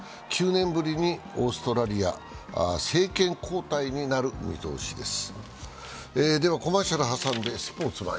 ９年ぶりにオーストラリア、政権交代になる見通しです。